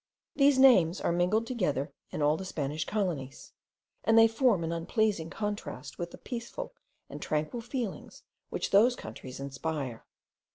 These names are mingled together in all the Spanish colonies, and they form an unpleasing contrast with the peaceful and tranquil feelings which those countries inspire.